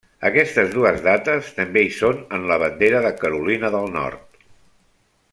Aquestes dues dates també hi són en la bandera de Carolina del Nord.